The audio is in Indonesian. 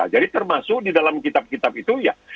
jadi termasuk di dalam kitab kitab itu ya